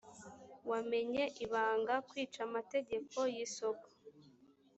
wamenye ibanga kwica amategeko y isoko